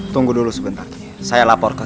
tunggu dulu sebentar saya laporkan